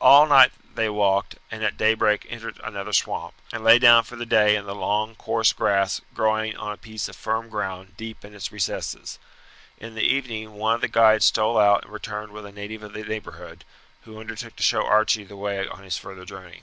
All night they walked, and at daybreak entered another swamp, and lay down for the day in the long coarse grass growing on a piece of firm ground deep in its recesses. In the evening one of the guides stole out and returned with a native of the neighbourhood, who undertook to show Archie the way on his further journey.